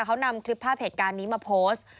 เขานำคลิปภาพเหตุการณ์นี้มาโพสต์